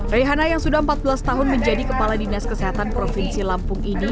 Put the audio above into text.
reihana yang sudah empat belas tahun menjadi kepala dinas kesehatan provinsi lampung ini